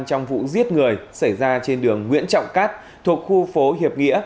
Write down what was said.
trong vụ giết người xảy ra trên đường nguyễn trọng cát thuộc khu phố hiệp nghĩa